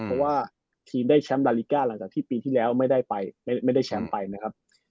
เพราะว่าทีมได้แชมป์ลาลิก้าหลังจากที่ปีที่แล้วไม่ได้ไปไม่ได้แชมป์ไปนะครับ